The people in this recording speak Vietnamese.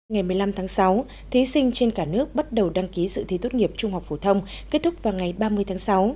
ngày một mươi năm tháng sáu thí sinh trên cả nước bắt đầu đăng ký sự thi tốt nghiệp trung học phổ thông kết thúc vào ngày ba mươi tháng sáu